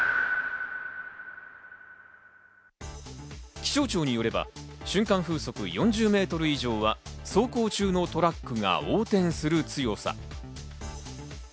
気象庁によれば、瞬間風速４０メートル以上は走行中のトラックが横転する強さ。